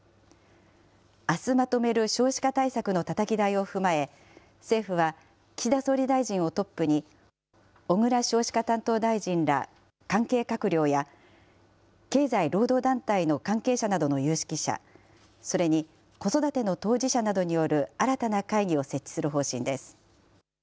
あすまとめる少子化対策のたたき台を踏まえ、政府は、岸田総理大臣をトップに、小倉少子化担当大臣ら関係閣僚や、経済・労働団体の関係者などの有識者、それに子育ての当事者などによる新たな会議を設置する方針です。